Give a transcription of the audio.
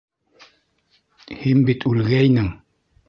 Һин бит үлгәйнең!